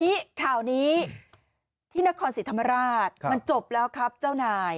ทีนี้ข่าวนี้ที่นครศรีธรรมราชมันจบแล้วครับเจ้านาย